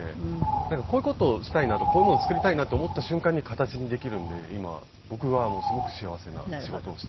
なんかこういう事をしたいなとこういうものを作りたいなと思った瞬間に形にできるんで今僕はすごく幸せな仕事をしています。